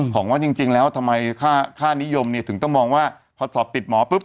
ของว่าจริงแล้วทำไมค่านิยมเนี่ยถึงต้องมองว่าพอสอบติดหมอปุ๊บ